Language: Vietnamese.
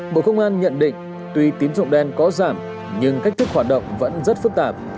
bộ công an nhận định tuy tín dụng đen có giảm nhưng cách thức hoạt động vẫn rất phức tạp